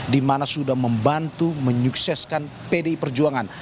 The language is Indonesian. dimana sudah membantu menyukseskan pdi perjuangan